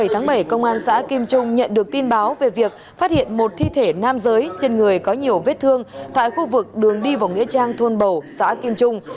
tháng bảy công an xã kim trung nhận được tin báo về việc phát hiện một thi thể nam giới trên người có nhiều vết thương tại khu vực đường đi vào nghĩa trang thôn bầu xã kim trung